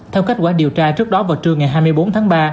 theo kết quả điều tra trước đó vào trưa ngày hai mươi bốn tháng ba